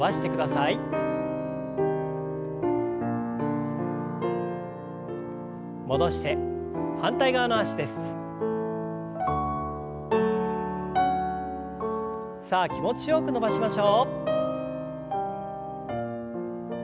さあ気持ちよく伸ばしましょう。